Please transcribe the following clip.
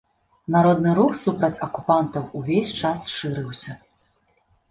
Народны рух супраць акупантаў увесь час шырыўся.